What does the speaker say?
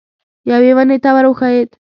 یوې ونې ته ور وښوېد.